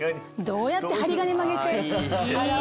どうやって針金曲げて。